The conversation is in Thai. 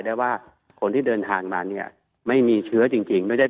ได้ว่าคนที่เดินทางมาเนี่ยไม่มีเชื้อจริงจริงไม่ใช่